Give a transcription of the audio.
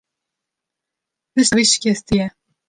Pişta wî şikestiye.